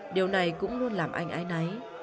điều này cũng luôn làm anh ái náy